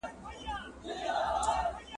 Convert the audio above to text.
ولې ملي سوداګر طبي درمل له ایران څخه واردوي؟